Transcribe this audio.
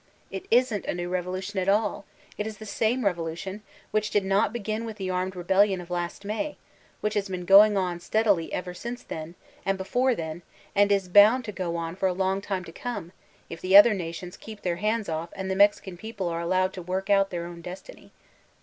It isn't a new revolution at all ; it is the same revolution, which did not begin mth the armed rebellion of last May, which has been going on steadily ever since then, and before then* and is bound to go on for a long time to come, if the other nations keep their hands off and the Mexican pec^ pie are allowed to woric out their own destiny.